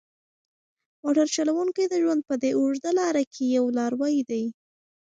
موټر چلونکی د ژوند په دې اوږده لاره کې یو لاروی دی.